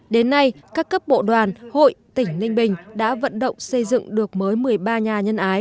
đến nay các cấp bộ đoàn hội tỉnh ninh bình đã vận động xây dựng được mới một mươi ba nhà nhân ái